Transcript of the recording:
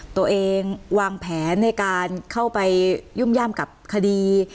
ตัวเองวางแผนในการเข้าไปยุ่มย่ำกับคดี